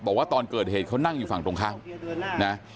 บอกว่าตอนเกิดเหตุเขานั่งอยู่ฝั่งตรงข้ามนะ